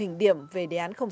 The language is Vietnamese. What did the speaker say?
và những đồng điểm về đề án sáu